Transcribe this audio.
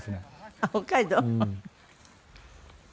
あっ北海道？